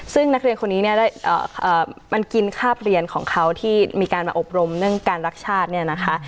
ซึ่งนักเรียนคนนี้เนี่ยมันกินคาบเรียนของเขาที่มีการมาอบรมเรื่องการรักชาติเนี่ยนะคะ